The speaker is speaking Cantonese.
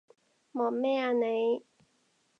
望咩啊你？